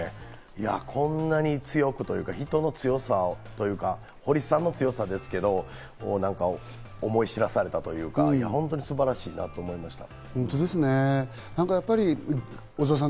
いや、こんなに強くというか、人の強さというか、堀さんの強さを思い知らされたというか、本当に素晴らしいなと思いました。